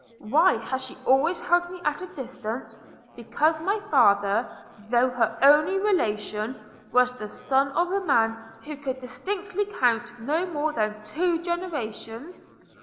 Why has she always held me at a distance, because my father, though her only relation, was the son of a man who could distinctly count no more than two generations?